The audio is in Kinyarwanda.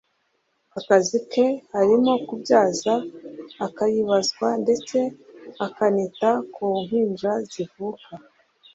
Akazi ke harimo kubyaza akayibazwa ndetse akanita ku mpinja zikivuka